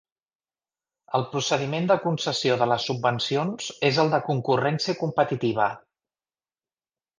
El procediment de concessió de les subvencions és el de concurrència competitiva.